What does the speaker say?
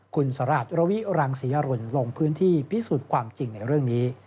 คุณสราชระวิรังศรีอรุณลงพื้นที่พิสูจน์ความจริงในเรื่องนี้